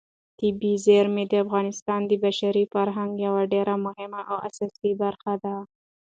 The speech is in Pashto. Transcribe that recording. طبیعي زیرمې د افغانستان د بشري فرهنګ یوه ډېره مهمه او اساسي برخه ده.